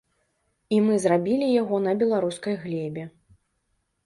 І мы зрабілі яго на беларускай глебе.